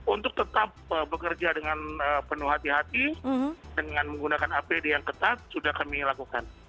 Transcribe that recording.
untuk tetap bekerja dengan penuh hati hati dengan menggunakan apd yang ketat sudah kami lakukan